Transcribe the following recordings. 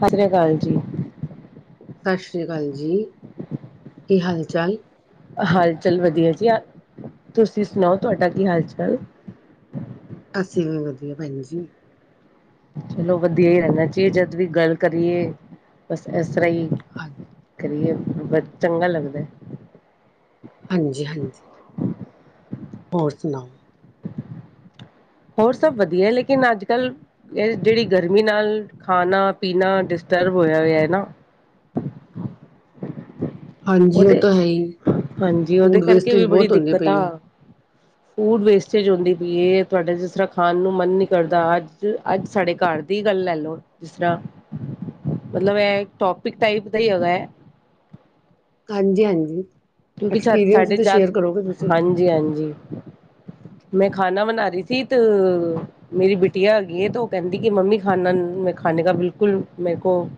ਸਤ੍ਰਿ ਅਕਾਲ ਜੀ। ਗੱਲਜੀੀ ਕੀ ਹਾਲ ਚਾਲ? ਹਾਲ ਚਾਲ ਵਧੀਆ ਜੀ। ਤੁਸੀਂ ਸੁਣਾਓ ਤੁਹਾਡਾ ਕੀ ਹਾਲ ਚਾਲ? ਅਸੀ ਵੀ ਵਧੀਆ ਭੈਣ ਜੀ। ਚਲੋ, ਵਧੀਆ ਹੀ ਰਹਿਣਾ ਚਾਹੀਦਾ। ਜਦ ਵੀ ਗੱਲ ਕਰੀਏ ਬਸ ਇਸ ਤਰਾਂ ਹੀ- ਹ [inaudible] ਕਰੀਏ ਬਸ ਚੰਗਾ ਲੱਗਦਾ। ਹਾਂਜੀ ਹਾਂਜੀ। ਹੋਰ ਸੁਣਾਓ? ਹੋਰ ਸਭ ਵਧੀਆ, ਲੇਕਿਨ ਅੱਜ ਕੱਲ੍ਹ ਇਹ ਜਿਹੜੀ ਗਰਮੀ ਨਾਲ ਖਾਣਾ ਪੀਣਾ- [unintelligible] ਹਾਂਜੀ ਉਹ ਉਹਦੇ, ਤਾਂ ਹੈ ਹੀ ਹਾਂਜੀ, ਉਹਦੇ ਫੂਡ ਕਰਕੇ ਵੇਸਟੇਜ ਵੀ ਬੜੀ ਬਹੁਤ ਹੁੰਦੀ ਪਈ ਹੈ ਦਿੱਕਤਾਂ- ਫੂਡ ਵੇਸਟੇਜ ਹੁੰਦੀ ਪਈ ਏ। ਤੁਹਾਡੇ ਜਿਸ ਤਰ੍ਹਾਂ ਖਾਣ ਨੂੰ ਮਨ ਨੀ ਕਰਦਾ। ਅੱਜ ਅੱਜ ਸਾਡੇ ਘਰ- ਘਰ ਦੀ ਗੱਲ ਲੈ ਲਓ ਜਿਸਰਾ- ਮਤਲਬ ਇਹ ਇਕ ਟੋਪਿਕ ਟਾਈਪ ਦਾ ਹੀ ਹੈਗਾ ਹੈ। ਹਾਂਜੀ ਹਾਂਜੀ। ਕਿਉਂਕਿ ਐਕਸਪੀਰੀਅੰਸ ਹੀ ਸਾਡੇ ਤਾਂ ਜਾਤ, ਸ਼ੇਅਰ ਕਰੋਗੇ ਤੁਸੀਂ ਹਾਂਜੀ ਹਾਂਜੀ- ਮੈਂ ਖਾਣਾ ਬਣਾ ਰਹੀ ਸੀ ਤੇ ਮੇਰੀ ਬਿਟੀਆ ਹੈਗੀ ਏ। ਤੇ ਉਹ ਕਹਿੰਦੀ ਕਿ ਮੰਮੀ ਖਾਣਾ- ਖਾਣੇ ਕਾ ਬਿਲਕੁਲ ਮੇਰੇ ਕੋ-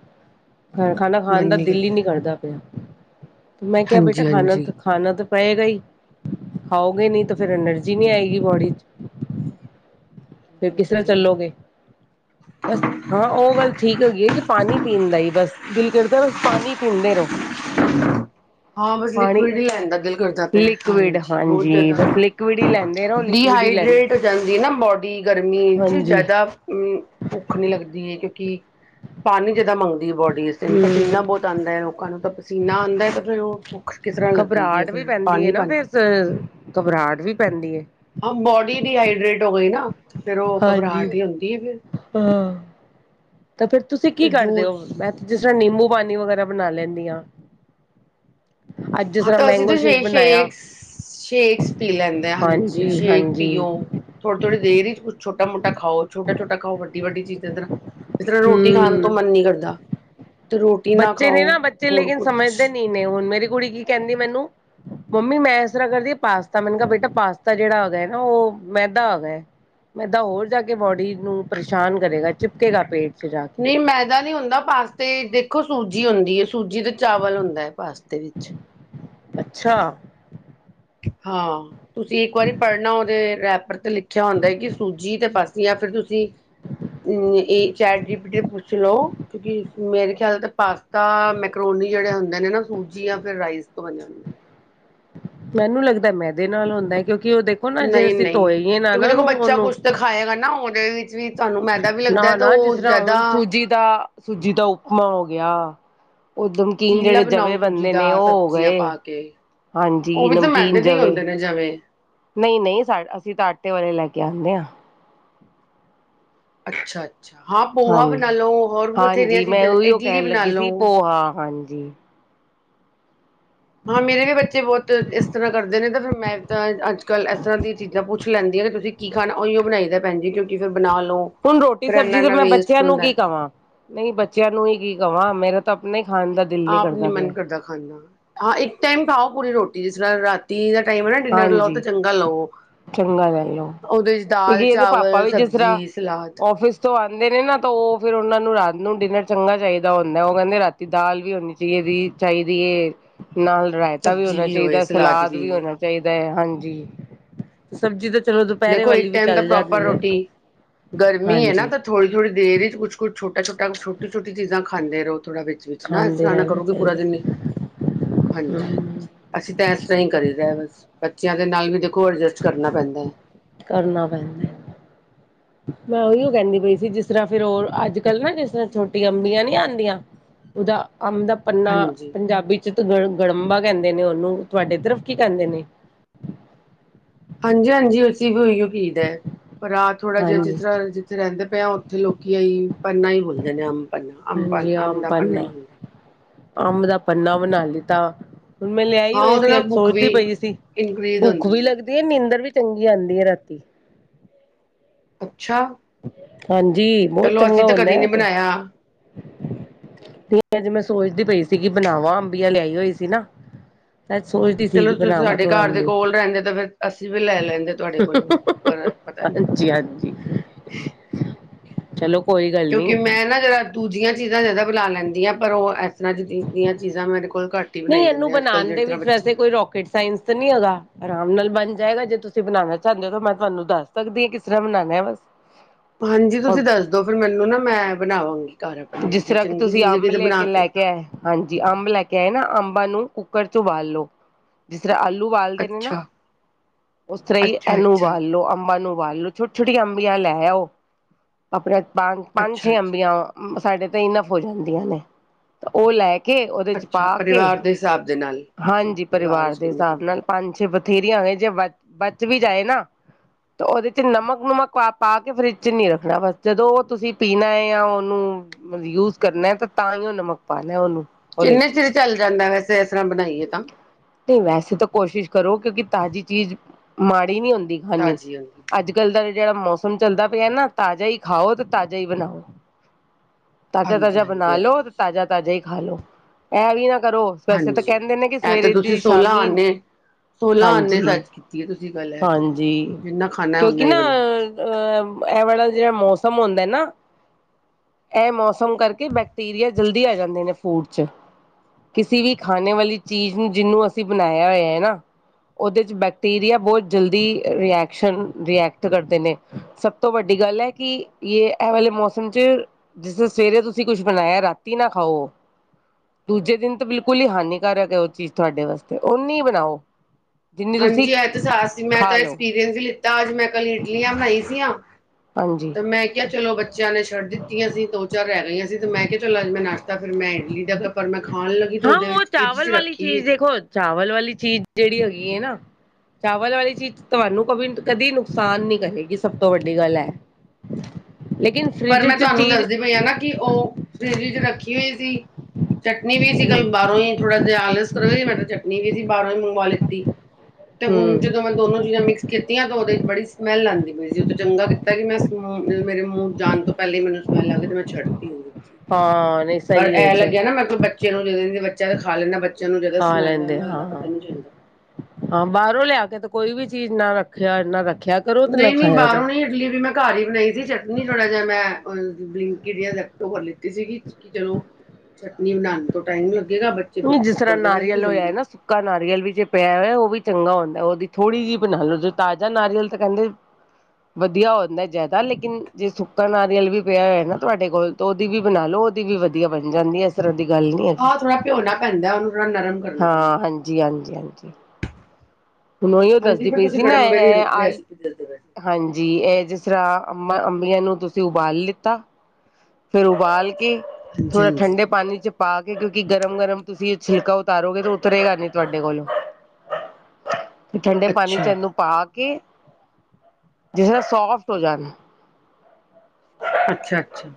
ਖਾਣਾ ਮਨ ਖਾਣ ਦਾ ਨੀ ਕਰ ਦਿਲ ਹੀ ਰਿਹਾ ਨਹੀਂ ਕਰਦਾ। ਫੇਰ ਮੈਂ- ਹਾਂਜੀ ਖਾਣਾ ਹਾਂਜੀ ਤੇ ਖਾਨਾ ਤਾਂ ਪਏਗਾ ਹੀ। ਖਾਓਗੇ ਨਹੀਂ ਤਾਂ ਫਿਰ ਐਨਰਜੀ ਨਹੀਂ ਆਏਗੀ ਬੋਡੀ ਚ। ਫਿਰ ਹਾਂਜੀ ਉਹ ਕਿਸ ਤਾਂ ਤਰ੍ਹਾਂ ਹੈ ਹੀ ਚੱਲੋਗੇ? ਬਸ ਹਾਂ, ਉਹ ਗੱਲ ਠੀਕ ਹੈਗੀ ਹੈ ਕੇ ਪਾਣੀ ਪੀਣ ਦਾ ਹੀ ਬਸ ਦਿਲ ਕਰਦਾ। ਬਸ ਪਾਣੀ ਪੀਂਦੇ- [inaudible] ਹਾਂ, ਬਸ ਪਾਣੀ ਲਿਕਵਿਡ ਹੀ ਲੈਣ ਦਾ ਦਿਲ ਕਰਦਾ ਪਿਆ ਹੈ। ਲਿਕੁਿਡ ਹਾਂਜੀ ਬਹੁਤ ਬਸ ਜ਼ਿਆਦਾ। ਲਿਕੁਿਡ ਹੀ ਲੈਂਦੇ ਰਹੋ ਲਿਕੁਿਡ ਹੀ ਲੈਂਦੇ ਹਾਈਡ੍ਰੇਟ ਹੋ ਜਾਂਦੀ ਨਾ ਬੋਡੀ। ਹਾਂਜੀ ਜਿਆਦਾ ਭੁੱਖ ਨੀ ਲੱਗਦੀ ਹੈ। ਕਿਉਂਕਿ ਪਾਣੀ ਜਿਆਦਾ ਮੰਗਦੀ ਹੈ ਬੋਡੀ। ਦਿਨ ਚ ਪਸੀਨਾ ਹਮ ਬਹੁਤ ਆਉਂਦਾ ਹੈ। ਲੋਕਾਂ ਨੂੰ ਤਾਂ ਪਸੀਨਾ ਆਉਂਦਾ ਹੈ। ਤੇ ਫਿਰ ਉਹ- ਭੁੱਖ ਕਿਸ ਤਰ੍ਹਾਂ ਲੱਗੇਗੀ ਉਹ ਘਬਰਾਹਟ ਵੀ ਫਿਰ ਪੈਂਦੀ ਹੈ ਪਾਣੀ ਨਾ, ਪਾਣੀ ਫੇਰ ਘਬਰਾਹਟ ਵੀ ਪੈਂਦੀ ਹੈ। ਹਾਂ, ਬੋਡੀ ਡੀਹਾਈਡਰੇਟ ਹੋ ਗਈ ਨਾ। ਫੇਿਰ ਉਹ ਹਾਂਜੀ ਘਬਰਾਹਟ ਹੀ ਹੁੰਦੀ ਹੈ। ਫਿਰ- ਹਾਂ। ਤਾਂ ਫੇਿਰ ਤੁਸੀਂ ਕੀ ਤੇ ਕਰਦੇ ਜੂਸ ਹੋ? ਮੈਂ ਜਿਸ ਤਰ੍ਹਾਂ ਨਿੰਬੂ ਪਾਣੀ ਵਗੈਰਾ- ਬਣਾ ਲੈਂਦੀਆਂ- ਹਾਂ ਤਾਂ ਅਸੀਂ ਤਾਂ ਸ਼ੇਖ ਸ਼ੇਖ- ਸ਼ੇਕ ਪੀ ਲੈਂਦੇ ਹਾਂ। ਹਾਂਜੀ, ਸ਼ੇਕ ਪੀਓ ਥੋੜੀ ਥੋੜੀ ਦੇਰ ਹੀ- ਛੋਟਾ ਮੋਟਾ ਖਾਓ, ਛੋਟਾਛੋਟਾ ਖਾਓ, ਵੱਡੀ ਵੱਡੀ ਚੀਜ਼ ਇੱਧਰ- ਇਸ ਤਰ੍ਹਾਂ ਰੋਟੀ ਖਾਣ ਤੋਂ ਹਮ। ਮਨ ਨ ਕਰਦਾ। ਤੇ ਰੋਟੀ ਬੱਚੇ ਨੇ ਖਾਓ ਨਾ ਬੱਚੇ ਹੋਰ ਲੇਕਨ ਸਮਝਦੇ ਕੁਛ ਨਹੀਂ। ਇਨੇ ਹੁਣ ਮੇਰੀ- ਕੁੜੀ ਕੀ ਕਹਿੰਦੀ ਮੈਨੂੰ, ਮੰਮੀ ਮੈਂ ਇਸ ਤਰ੍ਹਾਂ ਕਰਦੀ ਆ ਪਾਸਤਾ, ਮੈਨੂੰ ਕਿਹਾ ਬੇਟਾ ਪਾਸਤਾ ਜਿਹੜਾ ਹੈਗਾ ਨਾ ਉਹ- ਮੈਦਾ ਹੈਗਾ, ਮੈਦਾ ਹੋਰ ਜਾ ਕੇ ਬੋਡੀ ਨੂੰ ਪਰੇਸ਼ਾਨ ਕਰੇਗਾ। ਚਿਪਕੇਗਾ ਪੇਟ- ਚ ਜਾ ਕੇ ਨਹੀਂ ਮੈਦਾ ਨਹੀਂ ਹੁੰਦਾ। ਪਾਸਤੇ ਦੇਖੋ ਸੂਜੀ ਹੁੰਦੀ ਹੈ। ਸੂਜੀ ਤੇ ਚਾਵਲ ਹੁੰਦਾ ਹੈ ਪਾਸਤੇ ਵਿੱਚ। ਅੱਛਾ ਹਾਂ ਤੁਸੀਂ ਇੱਕ ਵਾਰੀ ਪੜ੍ਹਨਾ ਉਹਦੇ- ਤੇ ਲਿਖਿਆ ਹੁੰਦਾ ਹੈ। ਕਿ ਸੂਜੀ ਦੇ ਪਾਸੇ ਜਾਂ ਫਿਰ ਤੁਸੀਂ- ਹਮ ਇਹ ਚੈਟਜੀਪੀਟੀ ਨੁ ਪੁੱਛ ਲਓ। ਕਿਉਂਕਿ, ਮੇਰੇ ਖਿਆਲ ਤੇ ਪਾਸਤਾ, ਮੈਕਰੋਨੀ ਜਿਹੜੇ ਹੁੰਦੇ ਨੇ ਨਾ ਸੂਜੀ ਜਾਂ ਫਿਰ ਰਾਈਸ ਤੋਂ ਬਣੇ ਹੁੰਦੇ ਨੇ। [inaudible] ਮੈਨੂੰ ਲੱਗਦਾ ਮੈਂ ਏਦੇ ਨਾਲ ਹੁੰਦਾ। ਕਿਉਂਕਿ ਉਹ ਦੇਖੋ ਨਾ ਨੇ ਜੇ ਨਹੀਂ ਅਸੀਂ ਨਹੀਂ ਧੋਇਏ ਕਿਉਂਕਿ ਨਾ-ਨਾ ਦੇਖੋ ਉਨੂੰ ਬੱਚਾ ਉਹਨੂੰ ਕੁਛ ਤਾਂ ਖਾਏਗਾ ਨਾ ਉਹਦੇ ਵਿੱਚ ਵੀ ਤੁਹਾਨੂੰ ਮੈਦਾ ਵੀ ਲੱਗਦਾ ਤਾਂ ਨਾ-ਨਾ ਜਿਸ ਉਹ ਤਰ੍ਹਾਂ ਜ਼ਿਆਦਾ ਹੁਣ ਸੂਜੀ ਦਾ ਸੂਜੀ ਦਾ ਉਪਮਾ ਹੋ ਗਿਆ ਉਹ ਦਮਕੀਨ ਚੀਲਾ ਜਿਹੜੇ ਜਵੇ ਬਣਾਓ ਸੂਜੀ ਦਾ ਬੰਨਨੇ ਉਹ ਹੋ ਸਬਜ਼ੀਆਂ ਗਏ ਪਾ ਕੇ ਉਹ ਹਾਂਜੀ ਵੀ ਤਾਂ ਨਮਕੀਨ ਮੈਦੇ ਦੇ ਹੀ ਜਵੇ ਹੁੰਦੇ ਨੇ ਜਿਵੇਂ ਨਹੀਂ-ਨਹੀਂ ਸਾਡ ਅਸੀਂ ਤਾਂ ਆਟੇ ਵਾਲੇ ਲੈ ਕੇ ਆਉਂਣੇ ਹਾਂ ਅੱਛਾ ਅੱਛਾ ਹਾਂ ਪੋਹਾ ਬਣਾ ਲਓ ਹੋਰ ਬਥੇਰੀਆਂ ਹਾਂਜੀ-ਹਾਂਜੀ ਮੈਂ ਚੀਜ਼ਾਂ ਓਹੀ ਓਹ ਇਡਲੀ ਕਹਿਣ ਬਣਾ ਲੱਗੀ ਲਓ ਸੀ ਪੋਹਾ ਹਾਂਜੀ ਹਾਂ ਮੇਰੇ ਵੀ ਬੱਚੇ ਬਹੁਤ ਇਸ ਤਰ੍ਹਾਂ ਕਰਦੇ ਨੇ ਤੇ ਫਿਰ ਮੈਂ ਤਾਂ ਅੱਜ ਕੱਲ ਇਸ ਤਰ੍ਹਾਂ ਦੀਆਂ ਚੀਜ਼ਾਂ ਪੁੱਛ ਪੁਛ ਲੈਂਦੀ ਆ ਕਿ ਤੁਸੀਂ ਕੀ ਖਾਣਾ ਉਹੀਓ ਬਣਾਇਦਾ ਭੈਣਜੀ ਕਿਉਂਕਿ ਫਿਰ ਬਣਾ ਲਓ ਹੁਣ ਰੋਟੀ ਫਿਰ ਇੰਨਾ ਸਬਜ਼ੀ ਤੇ ਇੰਨਾ ਮੈਂ ਵੇਸਟ ਬੱਚਿਆਂ ਨੂੰ ਹੁੰਦਾ ਕੀ ਹੈ, ਕਵਾਂ ਨਹੀਂ ਬੱਚਿਆਂ ਨੂੰ ਹੀ ਕੀ ਕਵਾਂ ਮੇਰਾ ਤਾਂ ਆਪਣੇ ਆਪ ਨੀ ਮਨ ਕਰਦਾ ਖਾਂਣ ਦਾ ਹਾਂ ਇੱਕ ਟਾਇਮ ਖਾਓ ਪੂਰੀ ਰੋਟੀ ਜਿਸ ਤਰ੍ਹਾਂ ਰਾਤੀ ਦਾ ਟਾਈਮ ਨਾਲ ਡਿਨਰ ਲਓ ਤੇ ਹਾਂਜੀ ਚੰਗਾ ਲਵੋ ਚੰਗਾ ਲੈਲੋ ਕਿਉਂਕਿ ਇਹਦੇ ਪਾਪਾ ਚਾਵਲ ਵੀ ਜਿਸ ਤਰ੍ਹਾਂ ਸਬਜ਼ੀ ਸਲਾਦ ਔਫਿਸ ਤੇਔ ਆਉਂਦੇ ਨੇ ਨਾ ਤਾਂ ਉਹ ਫਿਰ ਉਹਨਾਂ ਨੂੰ ਰਾਤ ਨੂੰ ਡਿਨਰ ਚੰਗਾ ਚਾਹੀਦਾ ਹੁੰਦਾ ਉਹ ਕਹਿੰਦੇ ਰਾਤੀ ਦਾਲ ਵੀ ਹੋਣੀ ਚਾਹੀਏ ਵੀ ਚਾਹੀਦੀ ਹੈ ਨਾਲ ਰਾਇਤਾ ਵੀ ਸਬਜ਼ੀ ਹੋਏ ਸਲਾਦ ਵੀ ਚਾਹੀਦਾ ਹਾਂਜੀ ਸਬਜ਼ੀ ਦਾ ਦੇਖੋ ਇੱਕ ਟਾਈਮ ਤਾਂ ਪ੍ਰੋਪਰ ਰੋਟੀ ਗਰਮੀ ਹੈ ਨਾ ਹਾਂਜੀ ਤਾਂ ਥੋੜੀ ਥੋੜ੍ਹੀ ਦੇਰ ਥੋੜ੍ਹਾ ਵਿੱਚ-ਵਿਚ ਨਾ ਖਾਂਦੇ ਇਸਤਰਾ ਨਾ ਰਹਿਣਾ ਕਰੋ ਕੇ ਪੂਰਾ ਚਾਹੀਦਾ ਦਿਨ ਹੀ ਹਮ ਹਾਂਜੀ-ਹਾਂਜੀ ਅਸੀਂ ਤਾਂ ਇਸ ਤਰ੍ਹਾਂ ਹੀ ਕਰੀ ਦੈ ਬਸ ਬੱਚਿਆਂ ਦੇ ਨਾਲ ਵੀ ਦੇਖੋ ਅਡਜਸਟ ਕਰਨਾ ਪੈਂਦੈ ਕਰਨਾ ਪੈਂਦਾ ਮੈਂ ਉਹੀਓ ਕਹਿੰਦੀ ਪਈ ਸੀ ਜਿਸ ਤਰ੍ਹਾਂ ਫਿਰ ਉਹ ਅੱਜ ਕੱਲ੍ਹ ਨਾ ਜਿਸ ਤਰ੍ਹਾਂ ਛੋਟੀ ਅੰਬੀਆਂ ਨੀ ਆਉਂਦੀਆਂ ਉਹਦਾ ਅੰਬ ਦਾ ਪੰਨਾ ਹਾਂਜੀ ਪੰਜਾਬੀ ਚ ਤੇ ਗੜ ਗੜਮਬਾ ਕਹਿੰਦੇ ਨੇ ਉਹਨੂੰ ਤੁਹਾਡੇ ਤਰਫ ਕੀ ਕਹਿੰਦੇ ਨੇ ਹਾਂਜੀ-ਹਾਂਜੀ ਅਸੀਂ ਵੀ ਉਹੀਓ ਕਹੀਦੈ ਹੈ ਪਰ ਆਹ ਥੋੜਾ ਜਿਹਾ ਹਾਂਜੀ ਜਿਸ ਤਰ੍ਹਾਂ ਜਿੱਥੇ ਰਹਿ ਕਹਿੰਦੇ ਪਿਆ ਉੱਥੇ ਲੋਕੀਂ ਪੰਨਾ ਹੀ ਬੋਲਦੇ ਨੇ ਅੰਬ ਪੰਨਾ ਅੰਬ ਪਨ ਹਾਂਜੀ ਅੰਬ ਆਮ ਦਾ ਪੰਨਾ ਹੀ ਬੋਲਦੇ ਅੰਬ ਦਾ ਪੰਨਾ ਬਣਾ ਲਿੱਤਾ ਹੁਣ ਮੈਂ ਲਿਆਈ ਹਾਂ ਹੋਈ ਉਹਦੇ ਸੀ ਅੱਜ ਨਾਲ ਭੁੱਖ ਵੀ ਸੋਚਦੀ ਪਈ ਸੀ ਇਨਕਰੀਜ਼ ਭੁੱਖ ਹੁੰਦੀ ਵੀ ਲੱਗਦੀ ਹੈ ਨੀਂਦਰ ਵੀ ਚੰਗੀ ਆਉਂਦੀ ਏ ਰਾਤੀ ਅੱਛਾ ਹਾਂਜੀ ਬਹੁਤ ਚਲੋ ਅਸੀਂ ਚੰਗਾ ਤਾਂ ਹੁੰਦਾ ਕਦੀ ਏ ਨਹੀਂ ਤੇ ਬਣਾਇਆ ਤੇ ਅਜੇ ਮੈਂ ਸੋਚਦੀ ਪਈ ਸੀ ਕਿ ਬਣਾਵਾਂ ਅੰਬੀਆਂ ਲਿਆਈ ਹੋਈ ਸੀ ਨਾ ਅ ਸੋਚਦੀ ਸੀ ਚਲੋ ਕਿ ਤੁਸੀਂ ਬਣਾਵਾ ਸਾਡੇ ਥੋੜਾ ਘਰ ਦੇ ਵੀ ਕੋਲ ਰਹਿੰਦੇ ਤਾਂ ਫਿਰ ਅਸੀਂ ਵੀ ਲੈ ਲੈਂਦੇ ਤੁਹਾਡੇ ਕੋਲੋਂ ਪਰ ਪਤਾ ਨੀ ਹਾਂਜੀ-ਹਾਂਜੀ ਚਲੋ ਕੋਈ ਗੱਲ ਕਿਉਂਕਿ ਨੀ ਮੈਂ ਨਾ ਜਿਹੜਾ ਦੂਜੀਆਂ ਚੀਜ਼ਾਂ ਜ਼ਿਆਦਾ ਬੁਲਾ ਲੈਂਦੀ ਹਾਂ ਪਰ ਉਹ ਇਸ ਤਰ੍ਹਾਂ ਜ ਦੀਆਂ ਚੀਜ਼ਾਂ ਮੇਰੇ ਕ ਨਹੀਂ ਇਹਨੂੰ ਬਣਾਉਣ ਦੇ ਵਿੱਚ ਵੈਸੇ ਕੋਈ ਰੋਕੇਟ ਸਾਇੰਸ ਤਾਂ ਨਹੀਂ ਹੈਗਾ ਆਰਾਮ ਨਾਲ ਬਣ ਜਾਏਗਾ ਜੇ ਤੁਸੀਂ ਬਣਾਉਣਾ ਚਾਹੁੰਦੇ ਹੋ ਤਾਂ ਮੈਂ ਤੁਹਾਨੂੰ ਦੱਸ ਸਕਦੀ ਹਾਂ ਕਿਸ ਤਰ੍ਹਾਂ ਬਨਉਣਾ ਹੈ ਬਸ ਹਾਂਜੀ ਔਰ ਤੁਸੀਂ ਦੱਸ ਦੋ ਫਿਰ ਮੈਨੂੰ ਨਾ ਮੈਂ ਬਣਾਵਾਂਗੀ ਘਰ ਆਪਣੇ ਜਿਸ ਜੇ ਤਰ੍ਹਾਂ ਕਿ ਚੰਗੀ ਤੁਸੀਂ ਚੀਜ਼ ਹੈਗੀ ਅੰਬ ਤੇ ਲੈ ਬਣਾ ਕੇ ਲੈ ਹਾਂਜੀ ਅੰਬ ਲੈ ਕੇ ਆਏ ਨਾ ਅੰਬਾਂ ਨੂੰ ਕੁੱਕਰ ਚ ਉਬਾਲ ਲੋੋ ਜ ਆਲੂ ਬਾਲਦੇ ਨੇ ਨਾ ਅੱਛਾ ਉਸ ਤਰ੍ਹਾਂ ਹੀ ਅੱਛਾ ਐਨੂੰ ਅੱਛਾ ਉਬਾਲੋ ਅੰਬਾਂ ਨੂੰ ਛੋਟੀ ਛੋਟੀਆਂ ਅੰਬੀਆਂ ਲੈ ਆ ਉਹ ਆਪਣੇ ਪੰਜ-ਪੰਜ ਅੱਛਾ ਛੇ ਅੱਛਾ ਅੰਬੀਆਂ ਸਾਡੇ ਤਾਂ ਇਨਫ਼ ਹੋ ਜਾਂਦੀਆਂ ਨੇ ਤਾਂ ਉਹ ਲੈ ਕੇ ਉਹਦੇ ਚ ਪਾ ਅੱਛਾ ਪਰਿਵਾਰ ਦੇ ਹਿਸਾਬ ਦੇ ਨਾਲ ਹਾਂਜੀ ਪਰਿਵਾਰ ਵਿੱਚ ਦੇ ਕਿੰਨੇ ਹਿਸਾਬ ਬੰਦੇ ਨਾਲ ਪੰਜ ਛੇ ਬ ਥੇਰੀਆਂ ਹੋਈ ਜੇ ਬਚ-ਬਚ ਵੀ ਜਾਏ ਨਾ ਤੇ ਉਹਦੇ ਚ ਨਮਕ-ਨੁਮਕ ਪਾ-ਪਾ ਕੇ ਫਰਿੱਜ ਚ ਨੀ ਰੱਖਣਾ ਬਸ ਜਦੋਂ ਉਹ ਤੁਸੀਂ ਪੀਣਾ ਹੈ ਆ ਉਹਨੂੰ ਮ ਯੂਜ ਕਰਨਾ ਤਾਂ-ਤਾਂ ਹੀ ਉਹ ਨਮਕ ਪਾਣਾ ਉਹਨੂੰ ਉਹਦੇ ਕਿੰਨੇ ਚ ਚਿਰ ਚੱਲ ਜਾਂਦਾ ਵੈਸੇ ਇਸ ਤਰ੍ਹਾਂ ਬਣਾਈਏ ਤਾਂ ਨਹੀਂ ਵੈਸੇ ਤਾਂ ਕੋਸ਼ਿਸ਼ ਕਰੋ ਕਿਉਂਕਿ ਤਾਜ਼ੀ ਚੀਜ਼ ਮਾੜੀ ਨਹੀਂ ਹੁੰਦੀ ਖੀ ਹਨੀ, ਤਾਜ਼ੀ ਹੁੰਦੀ ਅੱਜ ਕੱਲ੍ਹ ਦਾ ਜਿਹੜਾ ਮੌਸਮ ਚੱਲਦਾ ਪਿਆ ਨਾ ਤਾਜ਼ਾ ਹੀ ਖਾਓ ਤੇ ਤਾਜ਼ਾ ਹੀ ਬਣਾਓ। ਹਾਂਜੀ ਤਾਜ਼ਾ-ਤਾਜ਼ਾ ਹਾਂਜੀ ਬਣਾ ਇਹ ਤਾਂ ਲੋ ਤੇ ਤੁਸੀਂ ਠੀਕ ਕਹਿ ਰਹੇ ਹੋ। ਤਾਜ਼ਾ-ਤਾਜ਼ਾ ਹੀ ਖਾ ਲੋ ਐ ਵੀ ਨਾ ਕਰੋ ਵੈਸੇ ਤਾਂ ਹਾਂਜੀ ਕਹਿੰਦੇ ਨੇ ਕਿ ਇਹ ਤੇ ਸਵੇਰੇ ਤੁਸੀਂ ਦੀ ਸੋਲਾਂ ਸ਼ਾਮੀ ਆਨੇ ਸੋਲਾਂ ਆਨੇ ਸੱਚ ਕੀਤੀ ਹੈ ਤੁਸੀਂ ਗੱਲ ਇਹ ਤੇ ਹਾਂਜੀ-ਹਾਂਜੀ। ਜਿੰਨਾ ਖਾਣਾ ਕਿਉਂਕਿ ਓਨਾ ਹੀ ਨਾ ਬਣਾਓ ਅਹ ਇਹ ਵਾਲਾ ਜਿਹੜਾ ਮੌਸਮ ਹੁੰਦਾ ਨਾ ਇਹ ਮੌਸਮ ਮ ਕਰਕੇ ਬੈਕਟੀਰੀਆ ਜਲਦੀ ਆ ਜਾਂਦੇ ਨੇ ਫੂਡ ਚ ਕਿਸੇ ਵੀ ਖਾਣੇ ਵਾਲੀ ਚੀਜ਼ ਨੂੰ ਜਿਹਨੂੰ ਅਸੀਂ ਬਣਾਇਆ ਹੋਇਆ ਹੈ ਨਾ ਉਹਦੇ ਚ ਬੈਕਟੀਰੀਆ ਬਹੁਤ ਜਲਦੀ ਰਿਐਕਸ਼ਨ ਰਿਐਕਟ ਕਰਦੇ ਨੇ, ਸਭ ਤੋਂ ਵੱਡੀ ਗੱਲ ਹੈ ਕਿ ਯ ਇਹ ਵਾਲੇ ਮੌਸਮ ਚ ਜਿਸੇ ਸਵੇਰੇ ਤੁਸੀਂ ਕੁਛ ਬਣਾਇਆ, ਰਾਤੀ ਨਾ ਖਾਓ। ਦੂਜੇ ਦਿਨ ਤਾਂ ਬਿਲਕੁਲ ਹੀ ਹਾਂਜੀ ਹਾਨੀਕਾਰਕ ਉਹ ਚੀਜ਼ ਤੁਹਾਡੇ ਵਾਸਤੇ ਓਨੀ ਬਣਾਓ। ਜਿੰਨੀ ਤੁਸੀਂ ਹਾਂਜੀ ਇਹ ਤਾਂ ਸਸ ਸੀ ਮੈਂ ਖਾ ਤਾਂ ਲਓ ਐਕਸਪੀਰੀਅੰਸ ਵੀ ਲਿੱਤਾ ਅੱਜ ਮੈਂ ਕੱਲ ਇਡਲੀਆਂ ਬਣਾਈ ਸੀਆਂ। ਹਾਂਜੀ ਤੇ ਮੈਂ ਕਿਹਾ ਚਲੋ ਬੱਚਿਆਂ ਨੇ ਛੱਡ ਦਿੱਤੀਆਂ ਸੀ। ਦੋ-ਚਾਰ ਤੇ ਮੈਂ ਕਿਹਾ ਚਲੋ ਅੱਜ ਮੈਂ ਨਾਸ਼ਤਾ ਫਿਰ ਮੈਂ ਇਡਲੀ ਦਾ ਪਰ ਮੈਂ ਖਾਣ ਲੱਗੀ ਤੇ ਹਾਂ ਉਹਦੇ ਉਹ ਫਰਿਜ ਚਾਵਲ ਚ ਵਾਲੀ ਰੱਖੀ ਹੋਈ ਚੀਜ਼ ਸੀ। ਦੇਖੋ ਚਾਵਲ ਵਾਲੀ ਚੀਜ਼ ਜਿਹੜੀ ਹੈਗੀ ਹੈ ਨਾ ਚਾਵਲ ਵਾਲੀ ਚੀਜ਼ ਤੁਹਾਨੂੰ ਕ ਕਦੀ ਨੁਕਸਾਨ ਨਹੀਂ ਕਰੇਗੀ ਸਭ ਤੋਂ ਵੱਡੀ ਗੱਲ ਐ। [inaudible] ਪਰ ਮੈਂ ਤੁਹਾਨੂੰ ਦੱਸਦੀ ਪਈ ਹ ਨਾ ਕਿ ਉਹ ਸਰੀਰੀ ਚ ਰੱਖੀ ਹੋਈ ਸੀ। ਚਟਨੀ ਵੀ ਸੀ ਹੂੰ ਕੱਲ ਬਾਹਰੋਂ ਹੀ ਥੋੜ੍ਹਾ ਜਿਹਾ ਆਲਸ ਕਰ ਮੈਂ ਤਾਂ ਚਟਨੀ ਵੀ ਸੀ ਬਾਹਰੋਂ ਹੀ ਮੰਗਵਾ ਲਿੱਤੀ। ਤੇ ਹੁਣ ਹੂੰ ਜਦੋਂ ਮੈਂ ਦੋਨੋ ਚੀਜ਼ਾਂ ਮਿਕਸ ਕੀਤੀਆਂ ਤਾਂ ਉਹਦੇ ਬੜੀ ਸਮੈਲ ਆਦੀ ਪਈ ਸੀ ਉਹ ਤੇ ਚੰਗਾ ਕੀਤਾ ਕਿ ਮੈਂ ਮੇਰੇ ਮੂੰਹ ਜਾਣ ਤੋਂ ਪਹਿਲੇ ਹੀ ਮੈਨੂੰ ਸੁਣ ਲੱਗ ਕਿ ਮੈਂ ਛੱਡ ਦੀਤੀ ਹੋਗੀ। ਹਾਂ ਨਹੀਂ ਪਰ ਸਹੀ ਹੈ ਐ ਚ ਲੱਗਿਆ ਨਾ ਮਤਲਬ ਬੱਚੇ ਨੂੰ ਜਦ ਬੱਚਾ ਤੇ ਖਾ ਲੈਂਦਾ ਬੱਚਾ ਖਾ ਲੈਂਦੇ ਹਾਂ ਹਾਂ ਬਾਹਰੋਂ ਲਿਆ ਕੇ। ਕੋਈ ਵੀ ਚੀਜ਼ ਨਾ ਰੱਖਿਆ ਇਨਾ ਰੱਖ ਨਹੀਂ ਨਹੀਂ ਬਾਹਰੋਂ ਨੀ ਇਡਲੀ ਵੀ ਮੈਂ ਘਰ ਹੀ ਬਣਾਈ ਸੀ। ਚਟਨੀ ਥੋੜ੍ਹਾ ਜਿਹਾ ਮੈਂ ਬਲਿੰਕਟ ਇਟ ਰੈਪਟੋ ਤੋਂ ਲਤੀ ਸੀਗੀ ਕਿ ਚਲੋ ਚਟਨੀ ਬਣਾਉਣ ਤੋਂ ਟਾਈਮ ਲੱਗ ਜਿਸ ਤਰ੍ਹਾਂ ਨਾਰੀਅਲ ਹੋਇਆ ਨਾ ਸੁੱਕਾ ਨਾਰੀਅਲ ਵੀ ਜੇ ਪਿਆ ਹੋਇਆ, ਉਹ ਵੀ ਚੰਗਾ ਹੁੰਦਾ। ਉਹਦੀ ਥੋੜੀ ਜਿਹੀ ਬਣਾ ਲ ਲੋ ਜ ਤਾਜ਼ਾ ਨਾਰੀਅਲ ਤਾਂ ਕਹਿੰਦੇ ਵਧੀਆ ਹੋ ਜਾਂਦਾ ਜ਼ਿਆਦਾ ਲੇਕਿਨ ਜੇ ਸੁੱਕਾ ਨਾਰੀਅਲ ਵੀ ਪਿਆ ਹੋਇਆ ਨਾ ਤੁਹਾਡੇ ਕੋਲ ਤਾਂ ਉਹਦੀ ਵੀ ਬਣਾ ਲਓ। ਉਹਦੀ ਵੀ ਵਧੀਆ ਬਣ ਜਾਂਦੀ ਏ, ਇਸ ਤਰ੍ਹਾਂ ਦੀ ਗੱਲ ਨੀ ਹੈਗੀ। ਹਾਂ ਥੋੜਾ ਭਿਉਣਾ ਪੈਂਦਾ ਉਹਨੂੰ ਥੋੜਾ ਨਰਮ ਕਰਨਾ ਪੈਂਦਾ। ਹਾਂ ਹਾਂਜੀ-ਹਾਂਜੀ-ਹਾਂਜੀ। ਹੁਣਹੀ ਉਹ ਹਾਂਜੀ ਦੱਸਦੀ ਫਿਰ ਪਈ ਤੁਸੀਂ ਸੀ, ਨਾ ਕੜੰਬੇ ਦੀ ਇਹ ਆ ਰੈਸਪੀ ਦੱਸਦੇ ਪਏ ਸੀ। ਹਾਂਜੀ ਇਹ ਜਿਸ ਸ਼ਰਾ ਅੰਬਾ ਅੰਬੀਆਂ ਨੂੰ ਤੁਸੀਂ ਉਬਾਲ ਲਿੱਤਾ, ਫਿਰ ਉਬਾਲ ਕੇ ਹਾਂਜੀ ਥੋੜਾ ਹਾਂਜੀ ਠੰਡੇ ਪਾਣੀ ਚ ਪਾ ਕੇ ਕਿਉਂਕਿ ਗਰਮ'ਗਰਮ ਤੁਸੀਂ ਛਿਲਕਾ ਉਤਾਰੋਗੇ, ਤੇ ਉਤਰੇਗਾ ਨੀ ਤੁਹਾਡੇ ਕੋਲੋਂ [inaudible] ਠੰਡੇ ਪਾਣੀ ਅੱਛਾ ਚ ਇਹਨੂੰ ਪਾ ਕੇ ਜਿਸ ਤਰ੍ਹਾਂ ਸੋਫਟ ਹੋ ਜਾਣ ਅੱਛਾ-ਅੱਛਾ।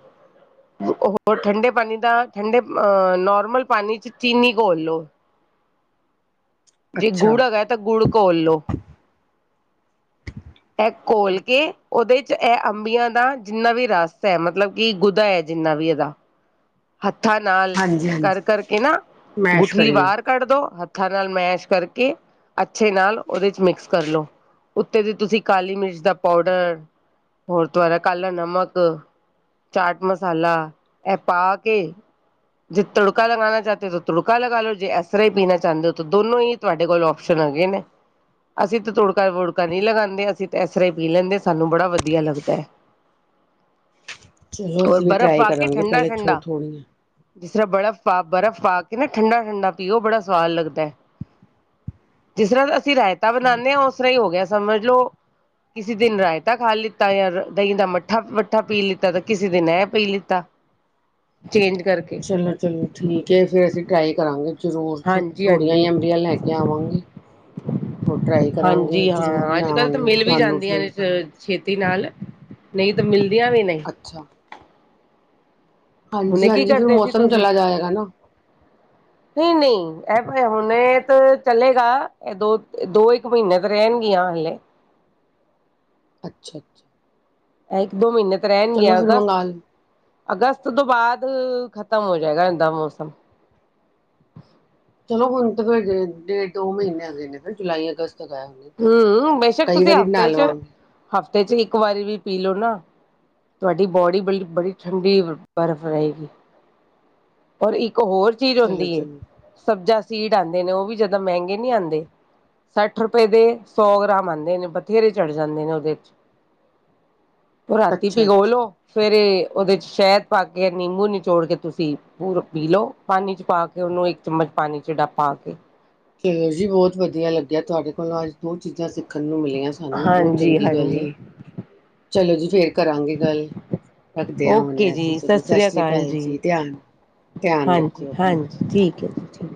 ਹਾਂ। ਹੋਰ ਠੰਡੇ ਪਾਣੀ ਦਾ ਠੰਡੇ ਅ ਨੋਰਮਲ ਪਾਣੀ ਚ ਚੀਨੀ ਘੋਲ ਲੋ। ਜੇ ਅੱਛਾ ਗੁੜ ਹੈਗਾ ਤਾਂ ਗੁੜ ਘੋਲ ਲੋੋ। ਇਹ ਘੋਲ ਅੱਛਾ ਅੱਛਾ ਕੇ ਉਹਦੇ ਇਹ ਅੰਬੀਆਂ ਦਾ ਜਿੰਨਾ ਵੀ ਰਸ ਹੈ ਮਤਲਬ ਕਿ ਗੁਦਾ ਹੈ, ਜਿੰਨਾ ਵੀ ਇਹਦਾ ਹੱ ਹੱਥਾਂ ਨਾਲ ਹਾਂਜੀ ਹਾਂਜੀ ਕਰ ਕਰਕੇ, ਨਾ ਮੈਸ਼ ਗੁਠਲੀ ਕਰੀਏ ਬਾਹਰ ਕੱਢ ਦੋ ਹੱਥ ਹੱਥਾਂ ਨਾਲ ਮੈਸ਼ ਕਰਕੇ, ਅੱਛੇ ਨਾਲ ਉਹਦੇ ਮਿਕਸ ਕਰ ਲਉ। ਉੱਤੇ ਦੀ ਤੁਸੀਂ ਕਾਲੀ ਮਿਰਚ ਦਾ ਪਾਊਡਰ ਹੋਰ ਦਾਰਾ ਕਾਲਾ ਨਮਕ ਚਾਟ ਮਸਾਲਾ ਇਹ ਪਾ ਕੇ ਜੇ ਤੜਕਾ ਲਗਾਣਾ ਚਾਹਦੇ ਹੋ ਤਾਂ ਤੜਕਾ ਲਗਾਲ ਲੋ, ਜੇ ਅਸਰ ਹੀ ਪੀਣਾ ਚਾਹੁੰਦੇ ਹੋ ਤਾਂ ਦੋਨੋ ਹੀ ਤੁਹਾਡੇ ਕੋਲ ਆਪਸ਼ਨ ਹੈਗੇ ਨੇ ਅਸੀਂ ਤਾਂ ਤੁੜਕਾ-ਵੁੜਕਾ ਨਹੀਂ ਲਗਾਦੇ, ਅਸੀਂ ਤਾਂ ਇਸ ਤਰ੍ਹਾਂ ਹੀ ਪੀ ਲੈਂਦੇ ਸਾਨੂੰ ਬੜਾ ਵਧੀਆ ਲੱਗਦਾ ਹੈ। ਚਲੋ ਔਰ ਅਸੀਂ ਵੀ ਬਰਫ਼ ਟਰਾਈ ਪਾ ਕੇ ਕਰਾਂਗੇ ਪਹਿਲੇ ਛੋ ਠੰਡਾ-ਠੰਡਾ, ਥੋੜੀਆਂ ਜਿਸ ਤਰ੍ਹਾਂ ਬਰਫ਼ ਪਾ ਬਰਫ਼ ਪਾ ਕੇ ਨਾ ਠੰਡਾ-ਠੰਡਾ ਪੀਓ, ਬੜਾ ਸਵਾਦ ਲੱਗਦਾ। ਜਿਸ ਤਰ੍ਹਾਂ ਅਸੀਂ ਰਾਇਤਾ ਅੱਛਾ ਬਣਾਨੇ ਆ, ਉਸ ਤਰ੍ਹਾਂ ਹੀ ਹੋ ਗਿਆ ਸਮਝ ਲਓ। ਕਿਸੇ ਦਿਨ ਰਾਇਤਾ ਖਾ ਲੀਤਾ, ਜਾਂ ਦਹੀਂ ਦਾ ਮੱਠਾ ਮੱਠਾ ਪੀ ਲੀਤਾ ਤਾਂ ਕਿਸੇ ਦਿਨ ਇਹ ਪੀ ਲਿੱਤਾ [unintelligible] ਕਰਕੇ ਚਲੋ ਚਲੋ, ਠੀਕ ਏ ਫੇਰ ਅਸੀਂ ਟਰਾਈ ਕਰਾਂਗੇ। ਜ਼ਰੂਰ ਹਾਂਜੀ ਥੋੜੀਆਂ ਹਾਂਜੀ ਜੀਆ ਅੰਬੀਆਂ ਲੈ ਕੇ ਆਵਾਂਗੇ। ਹੋਰ ਟਰਾਈ ਕਰਾਂਗੇ, ਹਾਂਜੀ ਜ਼ਰੂਰ ਹਾਂ ਅੱਜ ਕੱਲ੍ਹ ਤਾਂ ਬਣਾਵਾਂਗੇ ਮਿਲ ਵੀ ਤੁਹਾਨੂੰ ਜਾਂਦੀਆਂ ਨੇ ਫਿਰ ਛੇਤੀ ਨਾਲ ਨਹੀਂ ਤਾਂ ਮਿਲਦੀਆਂ ਵੀ ਨਹੀਂ, ਹੁਣੇ ਕੀ ਹਾਂਜੀ-ਹਾਂਜੀ, ਫਿਰ ਮੌਸਮ ਚਲਾ ਜਾਏਗਾ ਨਾ। [unintelligible] ਨਹੀਂ-ਨਹੀਂ ਇਹ ਹੁਣ ਤਾਂ ਚਲੇੇਗਾ, ਇਹ ਦੋ ਦੋ ਇੱਕ ਮਹੀਨੇ ਤਾਂ ਰਹਿਣਗੀਆਂ। ਹਲੇ, ਅੱਛਾ-ਅੱਛਾ, ਇੱਕ ਦੋ ਮਹੀਨੇ ਤਾਂ ਰਹਿਣਗੀਆਂ, ਲਓ ਅਗਸਤ-ਅਗਸਤ ਤੋਂ ਬਾਅਦ- ਖਤਮ ਹੋ ਜਾਏਗਾ, ਇਦਾ ਮੌਸਮ ਚਲੋ ਹੁਣ ਤਾਂ ਫਿਰ ਡੇਢ-ਡੇਢ ਦੋ ਮਹੀਨੇ ਹੈਗੇ ਨੇ ਫਿਰ ਜੁਲਾਈ ਅਗਸਤ ਤੱਕ ਆਏ ਹੋਣੇ ਹੂੰ ਬੇਸ਼ੱਕ ਕਈ ਤੁਸੀਂ ਵਾਰੀ ਬਣਾ ਹਫ਼ਤੇ ਚ ਲਵਾਂਗੇ ਹਫ਼ਤੇ ਚ ਇੱਕ ਵਾਰੀ ਵੀ ਪੀ ਲਓ ਨਾ, ਤੁਹਾਡੀ ਬੋਡੀ ਬ ਬੜੀ ਠੰਡੀ ਬਰਫ਼ ਰਹੇਗੀ। ਪਰ ਇੱਕ ਹੋਰ ਚੀਜ਼ ਚਲੋ ਹੁੰਦੀ ਏ ਚਲੋ ਸਬਜ਼ਾ, ਸੀਡ ਆਦੇ ਨੇ ਉਹ ਵੀ ਜਿਆਦਾ, ਮਹਿੰਗੇ ਨਹੀਂ ਆਦੇ ਸੱਠ ਰ ਰੁਪਏ ਦੇ ਸੌ ਗ੍ਰਾਮ ਆਦੇ ਨੇ ਬਥੇਰੇ ਚੜ ਜਾਂਦੇ ਨੇ ਉਹਦੇ ਚ, ਉਹ ਰਾਤੀ ਅੱਛਾ ਭਿਗੋ ਅੱਛਾ ਲੋ, ਫੇਰ ਉਹਦੇ ਚ ਸ਼ਹਿਦ ਪਾ ਕੇ ਨਿੰਬੂ ਨਿਚੋੜ ਕੇ, ਤੁਸੀਂ ਪੂਰਾ ਪੀ ਲਓ ਪਾਣੀ ਚ ਪਾ ਕੇ ਉਹਨ ਇੱਕ ਚਮਚ ਪਾਣੀ ਚਿੜਾ ਪਾ ਕੇ, ਚਲੋ ਜੀ ਬਹੁਤ ਵਧੀਆ, ਲੱਗਿਆ ਤੁਹਾਡੇ ਕੋਲੋਂ ਅੱਜ ਦੋ ਚੀਜ਼ਾਂ ਸਿੱਖ ਦੇਖਣ ਨੂੰ ਮਿਲੀਆਂ, ਸਾਨੂੰ ਬਹੁਤ ਹਾਂਜੀ ਚੰਗੀ ਗੱਲ ਹੈ ਹਾਂਜੀ ਚਲੋ ਜੀ ਫੇਰ ਕਰਾਂਗੇ ਗੱਲ। ਰੱਖਦੇ ਆਂ ਹੁਣ, ਅਸੀਂ ਚਲੋ ਸਤਿ ਸ੍ਰੀ ਅਕਾਲ ਜੀ ਧਿਆਨ, ਧਿਆਨ ਹਾਂਜੀ ਰੱਖੋ ਆਪਣਾ, ਹਾਂਜੀ ਠੀਕ ਹੈ ਜੀ ਠੀਕ